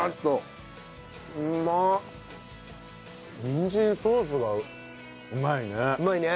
にんじんソースがうまいね。